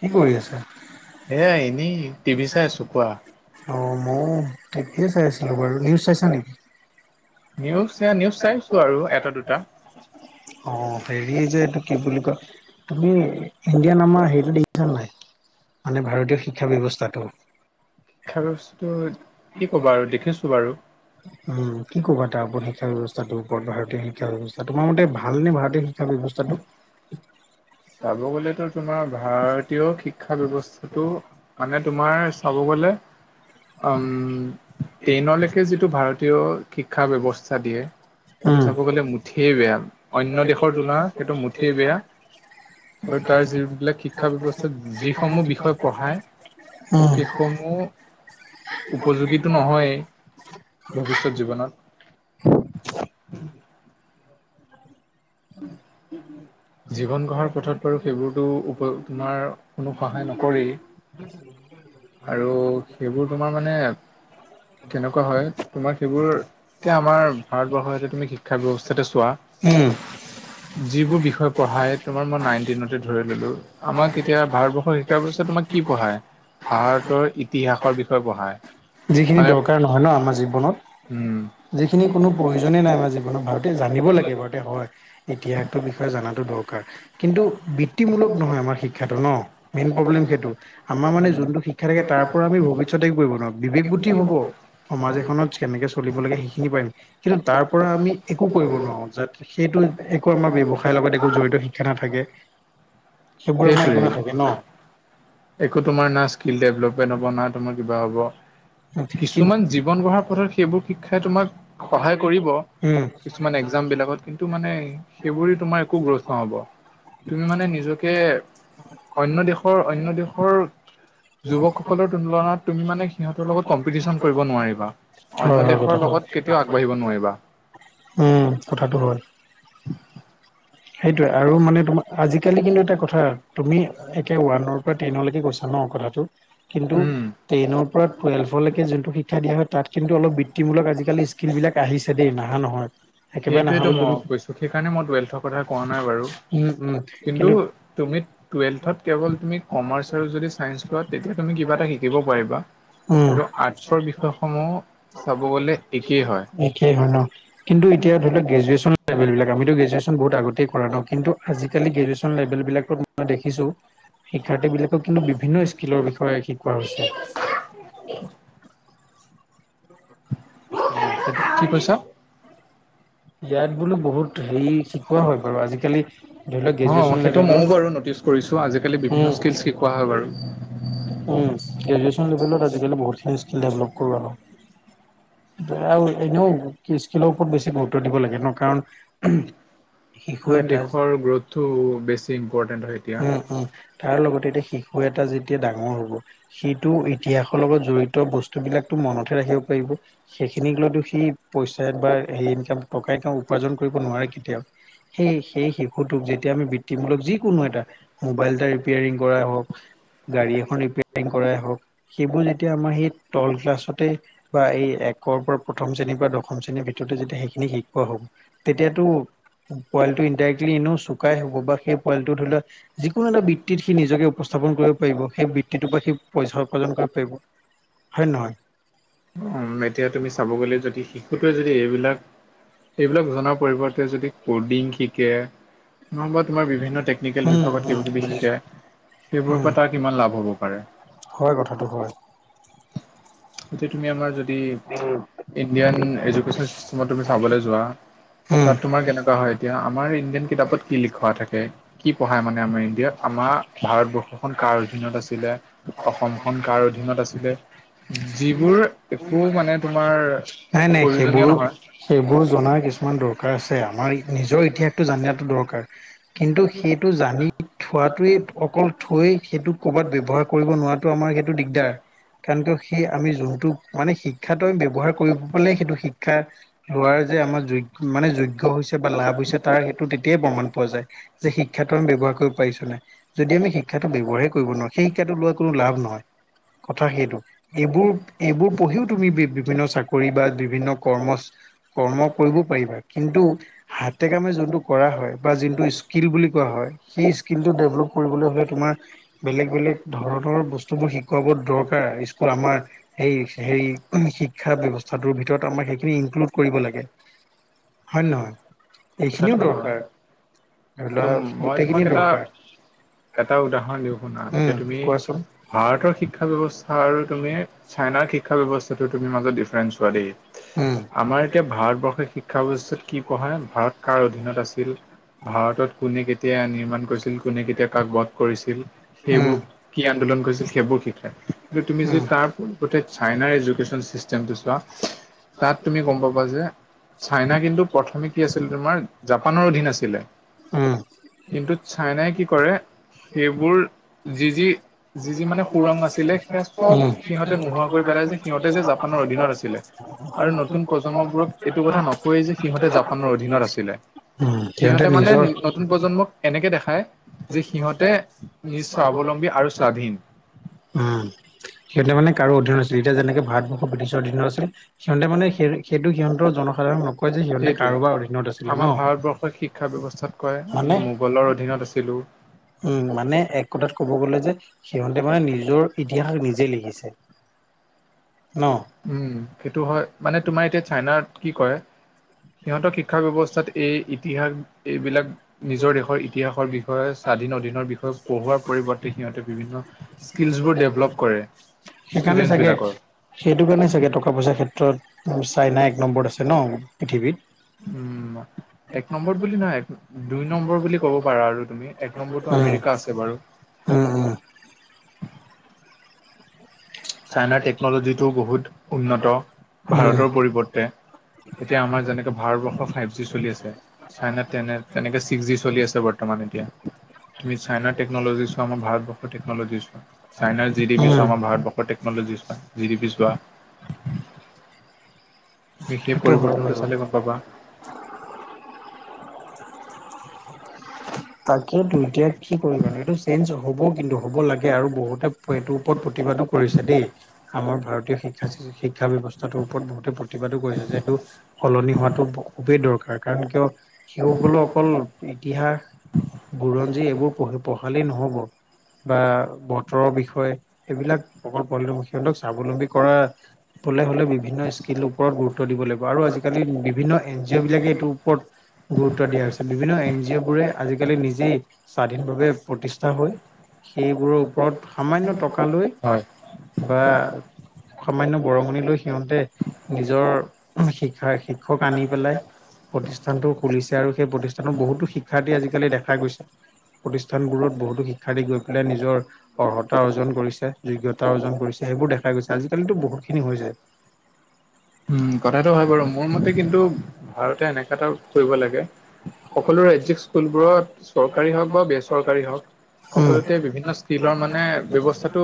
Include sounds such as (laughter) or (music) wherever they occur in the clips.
কি কৰি আছা? এয়া এনেই টিভি চাই আছো কোৱা। অ মই তাকেই চাই আছিলো বাৰু, নিউজ চাইছা নেকি? নিউজ এয়া নিউজ চাইছো আৰু এটা-দুটা অ হেৰি যে এইটো কি বুলি কয়, তুমি ইণ্ডিয়া নমাৰ হেৰিটো নাই, মানে ভাৰতীয় শিক্ষা ব্যৱস্থাটো শিক্ষা ব্যৱস্থাটো কি ক'বা আৰু দেখিছো বাৰু। উম কি ক'বা তাৰ ওপৰত শিক্ষা ব্যৱস্থাটোৰ ওপৰত ভাৰতীয় শিক্ষা ব্যৱস্থা তোমাৰ মতে ভালনে ভাৰতীয় শিক্ষা শিক্ষা ব্যৱস্থাটো? চাব গ'লে তো তোমাৰ ভাৰতীয় শিক্ষা ব্যৱস্থাটো মানে তোমাৰ চাব গ'লে উম টেনলৈকে যিটো ভাৰতীয় শিক্ষা ব্যৱস্থা দিয়ে সেইটো উম চাব গ'লে মুঠেই বেয়া, অন্য দেশৰ তুলা সেইটো মুঠেই বেয়া আৰু তাৰ যিবিলাক শিক্ষা ব্যৱস্থাত যিসমূহ বিষয় পঢ়ায়, উম সেইস সমূহ উপযোগীটো নহয়েই ভৱিষ্যত জীৱনত (inaudible) জীৱন গঢ়াৰ পথত বাৰু সেইবোৰতো উপৰত তোমাৰ কোনো সহায় নকৰেই (inaudible) আৰু সেইবোৰ তোমাৰ মানে, কেনেকুৱা হয় তোমাৰ সেইবোৰ এতিয়া আমাৰ ভাৰতবৰ্ষ এতিয়া তুমি শিক্ষা ব্যৱস্থাতো চোৱা। উম। যিবোৰ বিষয় পঢ়াই তোমাৰ মই নাইন টেনতে ধৰি ললো, আমাক এতিয়া ভাৰতবৰ্ষৰ শিক্ষা ব্যৱস্থা তোমাক কি পঢ়ায় ভাৰতৰ ইতিহাসৰ বিষয়ে পঢ়ায়। যিখিনি মানে দৰকাৰ নহয় ন আমাৰ জীৱনত উম যিখিনি কোনো প্ৰয়োজনে নাই, আমাৰ জীৱনত ভাৰতে জানি ব‌ই লাগে হয়, ইতিহাসটোৰ বিষয়ে জনাটো দৰকাৰ। কিন্তু বৃত্তিমূলক নহয় আমাৰ শিক্ষাটো ন, মেইন প্ৰব্লেম সেইটো। আমাৰ মানে যোনটো শিক্ষা থাকে তাৰ পৰা আমি ভৱিষ্যতে কৰিব নোৱাৰোঁ বিবেক বুদ্ধি হব। সমাজ এখনত কেনেকে চলিব লাগে সেইখিনি পাৰিম কিন্তু তাৰ পৰা আমি এ একো কৰিব নোৱাৰো য'ত সেইটো একো আমাৰ ব্যৱসায়ৰ লগত একো জড়িত শিক্ষা নাথাকে। সেইবোৰ আমাৰ একো সেইটোৱেই নাথাকে ন। একো তোমাৰ না স্কিল ডেভলপমেণ্ট হ'ব না তোমাৰ কিবা হ'ব। উম কিছুমান জীৱন গঢ়াৰ পথত সেইবোৰ শিক্ষাই তোমাক সহায় কৰিব। হয় কিছুমান এক্সাম বিলাকত কিন্তু মানে সেইবোৰে তোমাৰ একো গ্ৰোথ নহ'ব। তুমি মানে নিজকে অন্য দেশৰ অন্য দেশৰ। যুৱকসকলৰ তুলনাত তুমি মানে সিহঁতৰ লগত কম্পিটিশন কৰিব নোৱাৰিবা। অন্য হয় দেশৰ লগত কেতিয়াও আগবাঢ়িব কথাটো নোৱাৰিবা। উম কথাটো হয় সেইটোৱে আৰু মানে তোমাক। আজিকালি কিন্তু এটা কথা তুমি একে ওৱানৰ পৰা টেনলৈকে কৈছা ন কথাটো। কিন্তু উম, টেনৰ পৰা টুৱেল্ভলৈকে যোনটো শিক ক্ষা দিয়া তাত কিন্তু অলপ বৃত্তিমূলক আজিকালি স্কিমবিলাক আহিছে দেই নাহা নহয়। একেবাৰে নাহা সেইটোৱেতো বুলি তুমি মই কৈছো সেইকাৰণে মই টুৱেল্থৰ কথা কোৱা নাই বাৰু উম উম কিন্তু তুমি। টোএলথত কেৱল তুমি কমাৰ্চ আৰু যদি চাইন্স লোৱা তুমি তেতিয়া শিকিব পাৰিব। উম কিন্তু আৰ্টছৰ বিষয়সমূহ চাব গ'লে একেই হয়। একেই হয় ন কিন্তু এতিয়া ধৰি লক গ্ৰেজুৱে্চন লেভেলবিলাক। আমিতো গ্ৰেজুৱেচন বহুত আগতেই কৰা ন কিন্তু আজিকালি গ্ৰেজুৱেচন লেভেল বিলাকত মই দেখিছো। শিক্ষাৰ্থী বিলাকক কিন্তু বিভিন্ন স্কিলৰ বিষয়ে শিকোৱা হৈছে। কি কৈছা? (unintelligible) ইয়াত বোলো বহুত হেৰি শিকোৱা হয় বাৰু আজিকালি ধৰি লওক গ্ৰেজুৱেচন লেভেলৰ। কৰিছো আজিকালি উম বিভিন্ন স্কিলছ শিকোৱা হয় বাৰু। উম গ্ৰেজুৱেচন লেভেলত আজিকালি বহুতখিনি স্কিল ডেভেলপ কৰোৱা হয়। আৰু এনেও কি স্কিলৰ ওপৰত বেছি গুৰুত্ব দিব লাগে ন কাৰণ। শিশু কাৰণ এটা দেশৰ গ্ৰোথটো বেছি ইম্পৰ্টেন্ট হয় এতিয়া। (unintelligible) তাৰ লগতে এতিয়া শিশু এটা যেতিয়া ডাঙৰ হ'ব। সিটো ইতিহাসৰ লগত জড়িত বস্তুবলাকটো মনতে ৰাখিব পাৰিব। সেইখিনিক লৈতো সি পইচা বা হেৰি ইনকাম। টকাই তেওঁ উপাৰ্জন কৰিব নোৱাৰে কেতিয়াও সেই সেই শিশুটোক যেতিয়া আমি বি টিমূলক যি কোনো এটা মোবাইল এটা ৰিপেয়াৰিং কৰাই হওক। গাড়ী এখন ৰিপেয়াৰিং কৰাই হওক। সেইবোৰ যেতিয়া আমাৰ সেই তল ক্লাছতে বা এই একৰ পৰা প্ৰথম শ্ৰেণীৰ পৰা দশম শ্ৰেণীৰ ভিতৰ সেইটো যেতিয়া সেইখিনি শিকোৱা হ'ব তেতিয়াতো। পোৱালিটো ইনডাইৰেক্টলি এনেও চুকাই হ'ব বা সেই পোৱালটো ধৰি লোৱা যিকোনো এটা বি বৃত্তিত সি নিজকে উপস্থাপন কৰিব পাৰিব সেই বৃত্তিটোৰ পৰা সি পইচা উপাৰ্জন কৰিব পাৰিব। হয় নহয়। উম এতিয়া তুমি চাব গলে যদি শিশুটোৱে যদি এইবিলাক- এইবিলাক জনা। পৰিবৰ্তে যদি কডিং শিকে নবা তোমাৰ বিভিন্ন টেকনিকেল বিভাগত। উম উম কিবা কিবি শিকে বুজিছো সেইবোৰৰ উম পৰা তাৰ কিমান লাভ হ'ব পাৰে। হয় কথাটো হয় এতিয়া তুমি আমাৰ যদি উম ইণ্ডিয়ান এযোকেশ্যন চিষ্টেমত তুমি চাবলে যোৱা। উম। তাত তোমাৰ কেনেকুৱা হয় এতিয়া আমাৰ ইণ্ডিয়ান কিতাপত কি লিখোৱা থাকে। কি পঢ়ায় মানে আমাৰ ইণ্ডিয়াত আমাৰ ভাৰতবৰ্ষখন কাৰ অধীনত আছিলে? অসমখন কাৰ অধীনত আছিলে যিবোৰ একো মানে তোমাৰ। নাই নাই প্ৰয়োজনীয় সেইবোৰো নহয় সেইবোৰ জনাৰ কিছুমান দৰকাৰ আছে আমাৰ নিজৰ ইতিহাস। জানা টো দ দৰকাৰ। কিন্তু সেইটো জানি থোৱাটোৱেই অকল থৈ সেইটো ক'ৰবাত ব্যৱহাৰ কৰিব নোৱাৰাত। টো আমাৰ সেইটো দিগদাৰ কাৰণ কিয় সেই আমি যোনটো মানে শিক্ষাটো আমি ব্যৱহাৰ কৰিব। হ'লে সেইটো শিক্ষা লোৱাৰ যে আমাৰ যোগ মানে যোগ্য হৈছে বা লাভ হৈছে। তাৰ সেইটো তেতিয়াই প্ৰমাণ পোৱা যায় যে শিক্ষাটো আমি ব্যৱহাৰ কৰিব পাৰিছো নাই। যদি আমি শিক্ষাটো ব্যৱহাৰেই কৰিব নোৱাৰো সেই শিক্ষাটো লোৱাৰ কোনো লাভ নহয় কথা সেইটো। এইবোৰ এইবোৰ পঢ়িও তুমি বি বিভিন্ন চাকৰি বা বিভিন্ন কৰ্ম চা কৰ্ম কৰিব পাৰিবা কিন্তু হাত। হাতে কামে যোনটো কৰা হয় বা যিনটো স্কিল বুলি কোৱা হয়। সেই স্কিলটো ডেভলপ কৰিবলৈ হ'লে তোমাৰ। বেলেগ -বেলেগ ধৰণৰ বস্তুবোৰ শিকোৱাব দৰকাৰ স্কুল আমাৰ সেই হেৰি শিক্ষা ব্যৱস্থাটোৰ ভিতৰত আমাক সেইখিনি ইনক্লুড কৰিব লাগে। হয় নহয় এইখিনিও দৰকাৰ। ধৰি লোৱা দুম মই গোটেইখিনি তোমাক এটা। দৰকাৰ এটা উদাহৰণ দিওঁ শুনা এতিয়া উম তুমি কোৱাচোন ভাৰতৰ শিক শিক্ষা ব্যৱস্থা আৰু তুমি চাইনাৰ শিক্ষা ব্যৱস্থাতো তুমি মাজত ডিফাৰেন্স চোৱা দেই। উম আমাৰ এতিয়া ভাৰতবৰ্ষৰ শিক্ষা ব্যৱস্থাত কি পঢ়াই ভাৰত কাৰ অধীনত আছিল? ভাৰতত কোনে কেতিয়া নিৰ্মাণ কৰিছিল কোনে কেতিয়া কাক বধ কৰিছিল সেইবোৰ। কি আন্দোলন কৰিছিল সেইবোৰ শিকাই কিন্তু তুমি যদি উম তাৰ পৰিবৰ্তে চাইনাৰ উম এডুকেশ্বন চিস্ট তেম টো চোৱা তাত তুমি গম পাবা যে। চাইনা কিন্তু প্ৰথমে কি আছিলে তোমাৰ জাপানৰ অধীন আছিলে। উম। উম, সিহঁতে কিন্তু চাইনাই কি কৰে নিজৰ সেইবোৰ যি- যি। যি যি মানে সুৰং আছিলে সে চব সিহঁতে নোহোৱা কৰি পেলাই যে সিহঁতে যে জাপানৰ অধি ধিনত আছিল আৰু নতুন প্ৰজন্মবোৰক এইটো কথা নকয়েই যে সিহতে জাপানৰ অধীনত আছিলে। সিহঁতে মানে ন নতুন প্ৰজন্মক এনেকে দেখায় যে সিহঁতে নিজ স্বাৱলম্বী আৰু স্বাধীন। উম, সিহঁতে মানে কাৰো অধীন নাছিল এতিয়া যেনেকে ভাৰতবৰ্ষ ব্ৰিটিছৰ অধীনত আছিল। সিহঁতে মানে সেই সেইটো সিহঁত জনসাধাৰণ নক সেইটোৱে আমাৰ ভাৰতবৰ্ষই শিক্ষা ব্যৱস্থাত কয় মানে আমি মোগলৰ অধীনত আছিলোঁ। উম, মানে এক কথাত ক'ব গলে যে সিহঁতে মানে নিজৰ ইতিহাস নিজে লিখিছে। ন। উম, সেইটো হয় মানে তোমাৰ এতিয়া চাইনাত কি কৰে সিহঁতক শিক্ষা ব্যৱস্থাত এই ইতিহাস এইবিলাক নিজৰ দেশৰ ইতিহাসৰ বিষয়ে স্বাধীন অধীনৰ বিষয়ে পঢ়োৱাৰ পৰিৱৰ্তে সিহঁতে বিভিন্ন স্কিলছবোৰ ডেভেলপ কৰে (unintelligible) সেইকাৰণে চাগে ষ্টুডেন্টছবিলাকৰ সেইটো কাৰণে চাগে টকা পইচাৰ ক্ষেত্ৰত চাইনা এক নম্বৰত আছে ন' পৃথিৱীত। উম ম এক নম্বৰ বুলি নাই দুই নম্বৰ বুলি ক'ব পাৰা আৰু তুমি এক নম্বৰটো আমেৰিকা আছে বাৰু। অ', অ' চাইনাৰ টেকন'লজিটো বহুত উন্নত উম ভাৰতৰ পৰিৱৰ্তে। এতিয়া আমাৰ যেনেকে ভাৰতবৰ্ষৰ ফাইভ জি চলি আছে চাইনাত তেনে তেনেকে ছিক্স জি চলি আছে বৰ্তমান (unintelligible) এতিয়া। তুমি চাইনাৰ টেকনলজিৱা আমাৰ ভাৰতৰ্ষৰ টেনলজি চোৱা চাইনাৰ জি ডি উম বি উম চোৱা আম ভাৰতব টেকনলজি চোৱা জি ডি পি চোৱা। বিশেষ সেইটো হয় পৰিৱৰ্তনটো বাৰু চালে গম পাবা। তাকেতো এতিয়া কি কৰিবানো এইটো চেঞ্জ হ'ব কিন্তু হ'ব লাগে আৰু বহুত তা এইটোৰ ওপৰত প্ৰতিবাদো কৰিছে দেই আমাৰ ভাৰতীয় শিক ক্ষা শিক্ষা ব্যৱস্থা তোৰ ওপৰত বহুতে প্ৰতিবাদো কৰিছে যে এইটো সলনি হোৱাটো ব খুবেই দৰকাৰ। কাৰণ কিয় কিয় কলো অকল ইতিহাস বুৰঞ্জী এইবোৰ পঢ় পঢ়ালেই নহব। বা বতৰৰ বিষয়ে সেইবিলাক অকল (unintelligible) সিহঁতক স্বাৱলম্বী কৰা বলে হ'লে বিভি বিভিন্ন স্কিল ওপৰত গুৰুত্ব দিব লাগিব আৰু আজিকালি বিভিন্ন এন জি অ' বিলাকে এইটোৰ ওপৰত গুৰুত্ব দিয়া হৈছে বিভিন্ন এন জি অ' বোৰে আজিকালি নিজেই স্বাধীনভাৱে প্ৰতিষ্ঠা হয় সেইবোৰৰ ওপৰত সামান্য ত কালৈ হয় বা সামান্য বৰঙণি লৈ সিহঁতে নিজৰ শিক্ষা শিক্ষক আনি পেলাই প্ৰতিষ্ঠানটো খুলিছে আৰু সেই প্ৰতিষ্ঠানত বহুতো শিক্ শিক্ষাৰ্থী আজিকালি দেখা গৈছে প্ৰতিষ্ঠানবোৰত বহুতো শিক্ষাৰ্থী গৈ পেলাই নিজৰ। অৰ্হতা অৰ্জন কৰিছে যোগ্যতা অৰ্জন কৰিছে সেইবোৰ দেখা গৈছে আজিকালিতো বহুত খিনি হৈ যায়। উম, কথাটো হয় বাৰু মোৰ মতে কিন্তু ভাৰতে এনেকুৱা এটা কৰিব লাগে। সকলো (unintelligible) ৰাজ্যিক স্কুলবোৰত চৰকাৰী হওক বা বেচৰকাৰী হওক উম সকলোতে বিভিন্ন স্কিল্লৰ মানে ব্যৱস্থাটো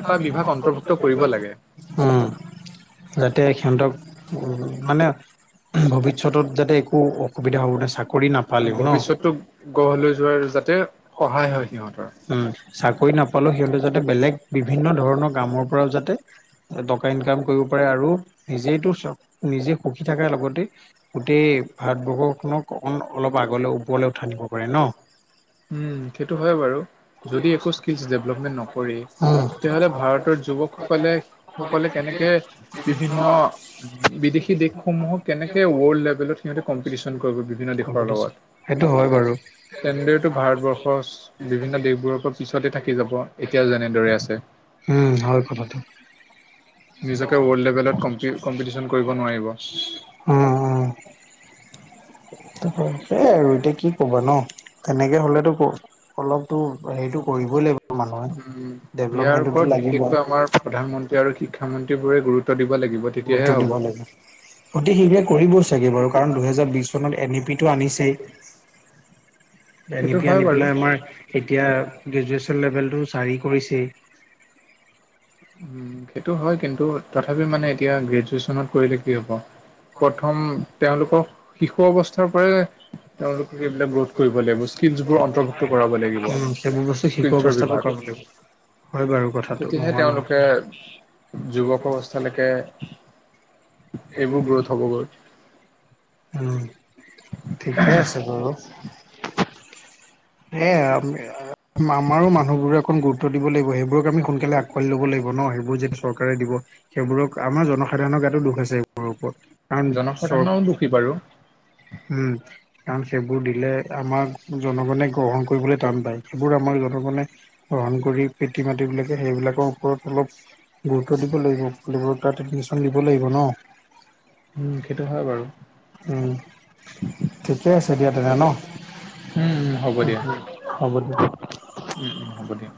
এটা বিভাগ অন্তৰ্ভুক্ত কৰিব লাগে। উম, যাতে সিহঁতক মানে ভৱিষ্যতত যাতে একো অসুবিধা হ'ব নোৱাৰে চাকৰি নাপালেও ন'। এটো গঢ় লৈ যোৱাৰ যাতে সহায় হয় সিহঁতৰ। উম, চাকৰি নাপালেও সিহঁতে যাতে বেলেগ বিভিন্ন ধৰণৰ কামৰ পৰাও যাতে টকা ইনকাম কৰিব পাৰে আৰু নিজেইটো চক নিজে সুখী থাকাৰ লগতে গোটেই ভাৰতবৰ্ষখনক অকণ অলপ আগলৈ ওপৰলৈ উঠাই নিব পাৰে ন। উম, সেইটো হয় বাৰু যদি একো স্কিলচ ডেভলপমেন্ট নকৰে তেতিয়াহ'লে ভাৰতৰ যুৱক। কম্পিটিচন সকলে সকলে কেনেকে বিভিন্ন বিদেশী দেশসমূহক। কেনেকে ৱৰ্ল্ড লেভেলত সিহঁতে কম্পিটিচন কৰিব বিভিন্ন দেশৰ লগত। সেইটো হয় বাৰু। টো ভাৰতবৰ্ষৰ চ বিভিন্ন দেশবোৰৰ পৰা পিছতে থাকি যাব এতিয়াও যেনেদৰে আছে। উম হয় কথাটো। নিজকে ৱৰ্ল্ড লেভেলত কম্পিও কম্পিটিশন কৰিব নোৱাৰিব। অ', অ', অ',। তাকে। এইয়াই আৰু এতিয়া কি ক'বা ন' তেনেকে হলেতো ক অলপতো হেৰিতটো কৰিবই লাগিব। মানুহে উম, ইয়াৰ ডেভলপমেন্টতো ওপৰত লাগিবই বিশেষকৈ আমাৰ প্ৰধানমন্ত্ৰী আৰু শিক্ষামন্ত্ৰী বোৰে গুৰুত্ব দিব লাগিব। তেতিয়াহে গুৰুত্ব হ'ব। দিব লাগে অতি শীঘ্ৰে কৰিবও চাগে বাৰু। কাৰণ দুহেজাৰ বিশ চনত এন ই পিটো আনিছেই। এনি সেইটো পি হয় আনি বাৰু। পেলাই আমাৰ এতিয়া গ্ৰেজুৱেচন লেভেলতটো চাৰি কৰিছেই। উম সেইটো হয় কিন্তু তথাপিও মানে এতিয়া গ্ৰেজুৱেচনত কৰিলে কি হ'ব। প্ৰথম তেওঁলোকৰ শিশু অৱস্থাৰ পৰাই। তেওঁলোকক এইবিলাক গ্ৰোথ কৰিব লাগিব স্কিলছবোৰ অন্তৰ্ভুক্ত কৰাব লাগিব উম, সেইবোৰ বস্তু শিকোৱা স্কিলছৰ অৱস্থালৈ বিভাগ। কৰিব হয় বাৰু কথাটো তেতিয়াহে নোহোৱা নহয়। তেওঁলোকে যুৱক অৱস্থালেকে এইবোৰ গ্ৰোথ হ'বগৈ। উম ঠিকে আছে বাৰু। এয়াই আম আমাৰো মানুহবোৰে একখন গুৰুত্ব ত্ব দিব লাগিব সেইবোৰক আমি সোনকালে আকোৱালী লব লাগিব ন সেইবোৰ যদি চৰকাৰ দিব। সেইবোৰক আমাৰ জনসাধাৰণৰ গাটো দোষ আছে সেইবোৰৰ ওপৰত কাৰণ চ জনসাধাৰণও দোষী বাৰু। উম কাৰণ সেইবোৰ দিলে আমাক জনগণে। গ্ৰহণ কৰিবলৈ টান পায় সেইবোৰ আমাৰ জনগণে। গ্ৰহণ কৰি পিতৃ মাতৃবিলাকে সেইবিলাকৰ ওপৰত অলপ। গুৰুত্ব দিব লাগিব (unintelligible) তাত এডমিশ্যন দিব লাগিব ন। উম, সেইটো হয় বাৰু, উম, ঠিকে আছে দিয়া তেনেহলে ন। উম- উম। হ'ব উম দিয়া। -উম হ'ব দিয়া। উম- উম হ'ব দিয়া।